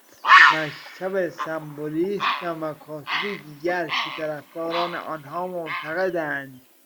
مکتب سمبولیسم و مکاتبی دیگر که طرفداران آنها معتقدند